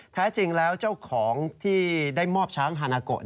แท้จริงแล้วเจ้าของที่ได้มอบช้างฮานาโกะ